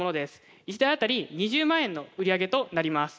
１台あたり２０万円の売り上げとなります。